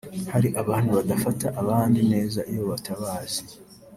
Hari abantu badafata abandi neza iyo batabazi